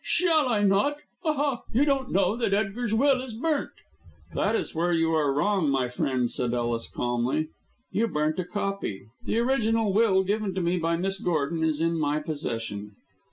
"Shall I not? Aha, you don't know that Edgar's will is burnt." "That is where you are wrong, my friend," said Ellis, calmly. "You burnt a copy. The original will given to me by Miss Gordon is in my possession."